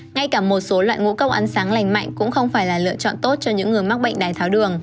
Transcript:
ngay cả một số loại ngũ cốc ăn sáng lành mạnh cũng không phải là lựa chọn tốt cho những người mắc bệnh đái tháo đường